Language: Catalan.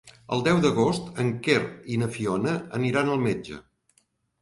El deu d'agost en Quer i na Fiona aniran al metge.